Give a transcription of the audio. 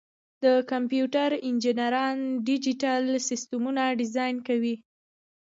د کمپیوټر انجینران ډیجیټل سیسټمونه ډیزاین کوي.